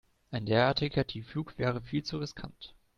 Ein derartiger Tiefflug wäre viel zu riskant.